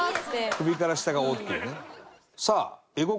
首から下が「お」っていうね。